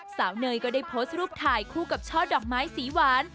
เนยก็ได้โพสต์รูปถ่ายคู่กับช่อดอกไม้สีหวาน